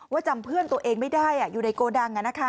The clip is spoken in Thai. จำเพื่อนตัวเองไม่ได้อยู่ในโกดัง